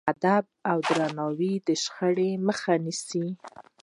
ادب او درناوی د شخړو مخه نیسي.